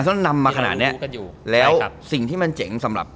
อัลเซนอลนำมาขนาดเนี้ยที่เรารู้กันอยู่แล้วครับสิ่งที่มันเจ๋งสำหรับ